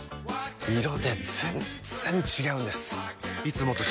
色で全然違うんです！